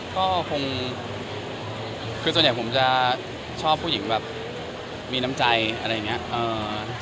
ก็คงคือส่วนใหญ่ผมจะชอบผู้หญิงแบบมีน้ำใจอะไรอย่างนี้